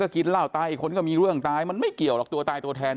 ก็กินร่าวตายคนก็มีเรื่องตายมันไม่เกี่ยวรอบตัวตายตัวแทน